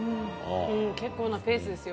結構なペースですよ。